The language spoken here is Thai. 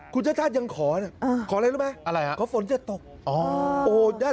คุณชชาติยังขอนะขออะไรรู้ไหมขอฝนจะตกโอ้โฮ